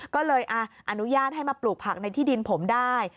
ก็เลยอนุญาตให้มาปลูกผักในที่ดินผมได้